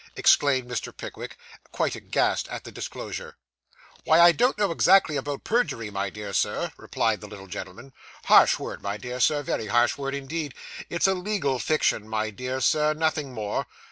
exclaimed Mr. Pickwick, quite aghast at the disclosure. 'Why, I don't exactly know about perjury, my dear sir,' replied the little gentleman. 'Harsh word, my dear sir, very harsh word indeed. It's a legal fiction, my dear sir, nothing more.